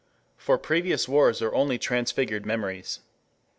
For previous wars are only transfigured memories.